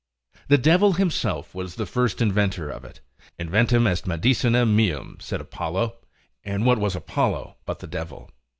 The devil himself was the first inventor of it: Inventum est medicina meum, said Apollo, and what was Apollo, but the devil?